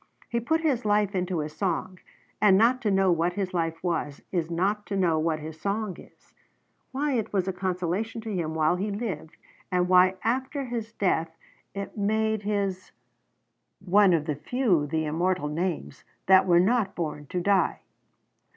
He put his life into his song; and not to know what his life was, is not to know what his song is, why it was a consolation to him while he lived, and why after his death it made his "One of the few, the immortal names, That were not born to die."